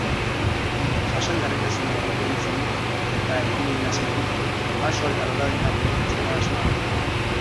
Jasangarritasuna kontuan izanik eta ingurumena zainduz, baso eta loradendak eraikitzea da asmoa.